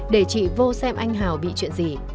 rồi vô xem anh hào bị chuyện gì